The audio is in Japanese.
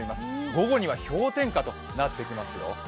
午後には氷点下となってきますよ。